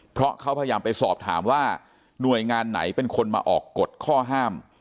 เพราะเขาพยายามไปสอบถามว่าหน่วยงานไหนเป็นคนมาออกกฎข้อห้าม